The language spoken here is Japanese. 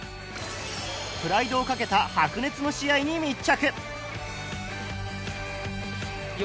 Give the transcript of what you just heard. プライドを懸けた白熱の試合に密着！